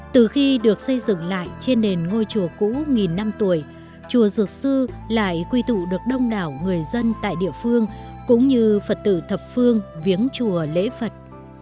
từ khi được xây dựng lại trên nền ngôi chùa cũ nghìn năm tuổi chùa dược sư lại quy tụ được đông đảo người dân tại địa phương cũng như phật tử thập phương viếng chùa lễ phật